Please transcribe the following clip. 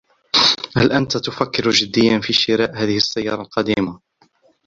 هل أنت تفكر جديا في شراء هذه السيارة القديمة؟